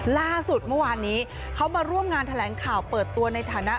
ล่าสุดเมื่อวานนี้เขามาร่วมงานแถลงข่าวเปิดตัวในฐานะ